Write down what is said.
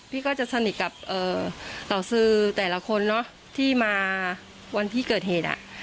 พี่ก็จะสนิทกับต่อสื่อแต่ละคนเนอะที่มาวันที่เกิดเหตุ